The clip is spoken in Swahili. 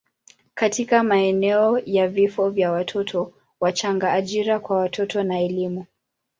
katika maeneo ya vifo vya watoto wachanga, ajira kwa watoto na elimu.